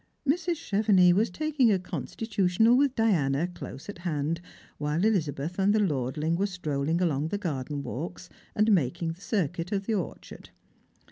Mrs. Chevenix was taking a constitu tional with Diana close at hand, while Elizabeth and the lord ling were strolling along the garden walks, and making the circuit of the orchard.